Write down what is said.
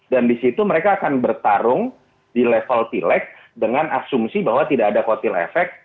dan disitu mereka akan bertarung di level tilek dengan asumsi bahwa tidak ada kotil efek